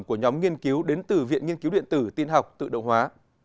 của nhóm nghiên cứu đến từ viện nghiên cứu điện tử tiên học tự động hóa